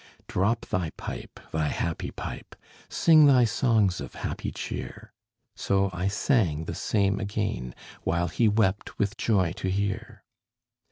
"Drop thy pipe, thy happy pipe; Sing thy songs of happy cheer:" So I sang the same again, While he wept with joy to hear.